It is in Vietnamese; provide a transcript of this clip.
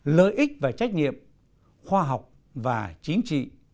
lợi ích và trách nhiệm khoa học và chính trị